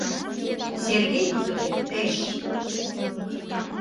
— Сергей тудо кертеш.